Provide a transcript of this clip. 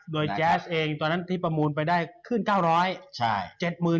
โดยแจ๊สเองตอนนั้นที่ประมูลไปได้ขึ้น๙๐๐บาท